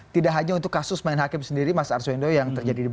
tidak hanya untuk kasus main hakim sendiri mas arzuwendo yang terjadi di bekasi